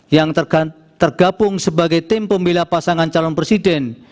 yang tergabung sebagai tim pembela pasangan calon presiden